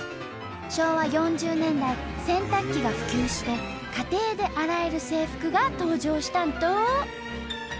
昭和４０年代洗濯機が普及して家庭で洗える制服が登場したんと！